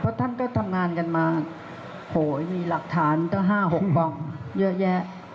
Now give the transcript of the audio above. เพราะท่านก็ทำงานกันมาโหยมีหลักฐานตั้ง๕๖ป่องเยอะแยะ